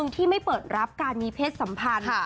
ที่ไม่เปิดรับการมีเพศสัมพันธ์